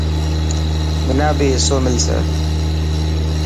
منا بي حصو ملسي.